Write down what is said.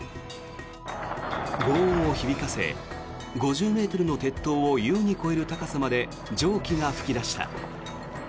ごう音を響かせ、５０ｍの鉄塔を優に超える高さまで蒸気が噴き出した。